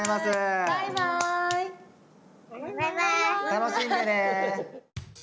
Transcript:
楽しんでね！